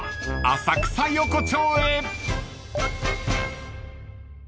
浅草横町。